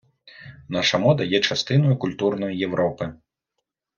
Наша мода є частиною культурної Європи.